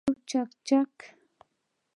یو چکچک